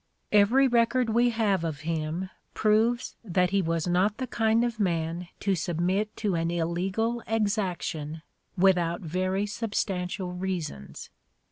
Every record we have of him proves that he was not the kind of man to submit to an illegal exaction without very substantial reasons.